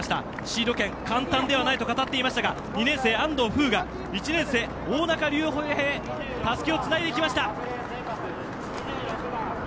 シード権、簡単ではないと語っていましたが２年生、安藤風羽が１年生、大仲竜平へたすきをつないでいきました。